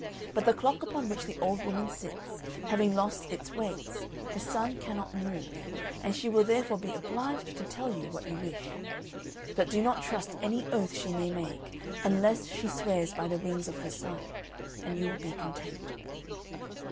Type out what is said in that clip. But the clock upon which the old woman sits having lost its weights, her son cannot move, and she will therefore be obliged to tell you what you wish. But do not trust any oath she may make, unless she swears by the wings of her son, and you will be content."